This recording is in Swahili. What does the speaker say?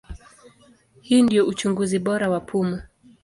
Hii ndio uchunguzi bora wa pumu.